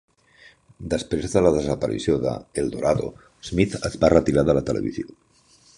Després de la desaparició de "El Dorado", Smith es va retirar de la tel·levisió.